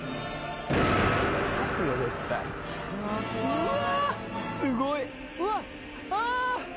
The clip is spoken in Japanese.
うわ。